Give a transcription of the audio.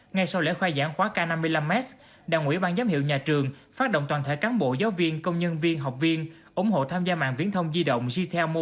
ngay sau lễ khai giảng khóa k năm mươi năm s đảng ủy ban giám hiệu nhà trường phát động toàn thể cán bộ giáo viên công nhân viên học viên ủng hộ tham gia mạng viễn thông di động